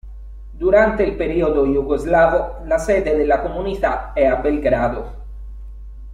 Durante il periodo jugoslavo la sede della Comunità è a Belgrado.